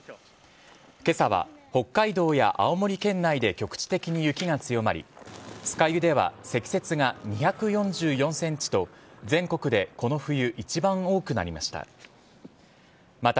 けさは北海道や青森県内で、局地的に雪が強まり、酸ヶ湯では積雪が２４４センチと、全国でこの冬一番多くなりました。